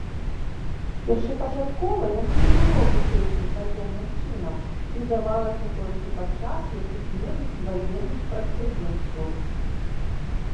Першапачаткова яно не было вышэйшым ваенным чынам і давалася толькі падчас якіх-небудзь ваенных прадпрыемстваў.